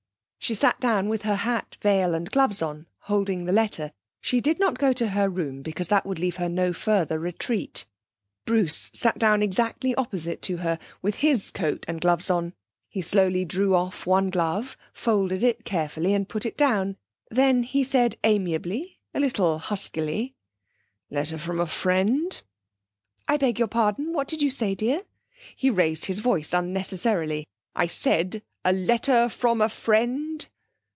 She sat down with her hat, veil and gloves on, holding the letter. She did not go to her room, because that would leave her no further retreat. Bruce sat down exactly opposite to her, with his coat and gloves on. He slowly drew off one glove, folded it carefully, and put it down. Then he said amiably, a little huskily: 'Letter from a friend?' 'I beg your pardon? What did you say, dear?' He raised his voice unnecessarily: 'I Said A LETTER FROM A FRIEND!'